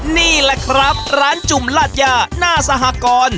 นี่แหละครับร้านจุ่มลาดย่าหน้าสหกร